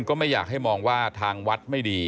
ก็ไม่อยากให้มองว่าทางวัดไม่ดี